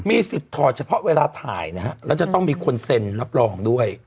สิทธิ์ถอดเฉพาะเวลาถ่ายนะฮะแล้วจะต้องมีคนเซ็นรับรองด้วย